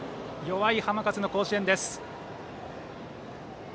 弱い浜風の甲子園です。